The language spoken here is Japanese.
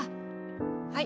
はい。